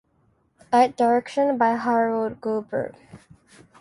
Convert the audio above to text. Art direction by Harold Goldberg.